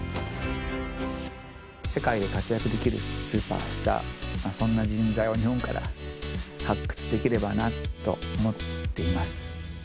世界で活躍できるスーパースター、そんな人材を日本から発掘できればなと思っています。